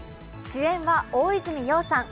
主演は大泉洋さん。